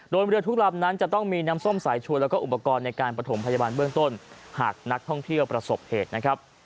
โดยเรือทุกลำนั้นจะต้องมีน้ำส้มสายชวนแล้วก็อุปกรณ์ในการประถมพยาบาลเบื้องต้นหากนักท่องเที่ยวประสบเหตุนะครับ